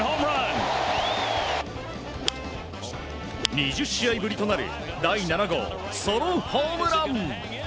２０試合ぶりとなる第７号ソロホームラン。